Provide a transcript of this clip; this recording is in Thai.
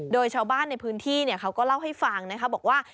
โดยชาวบ้านในพื้นที่เขาก็เล่าให้ฟังนะคะบอกว่า